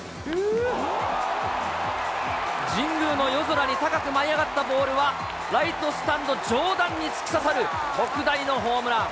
神宮の夜空に高く舞い上がったボールは、ライトスタンド上段に突き刺さる、特大のホームラン。